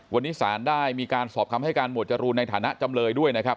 วันนี้ศาลได้มีการสอบคำให้การหมวดจรูนในฐานะจำเลยด้วยนะครับ